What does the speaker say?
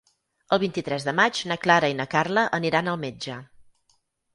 El vint-i-tres de maig na Clara i na Carla aniran al metge.